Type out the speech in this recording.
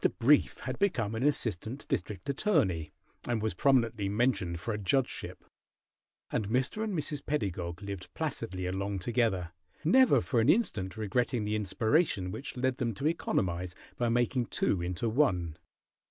Brief had become an assistant district attorney, and was prominently mentioned for a judgeship, and Mr. and Mrs. Pedagog lived placidly along together, never for an instant regretting the inspiration which led them to economize by making two into one.